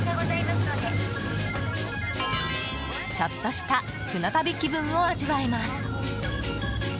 ちょっとした船旅気分を味わえます。